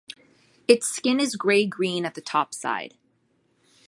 Its skin is grey-green at the top side.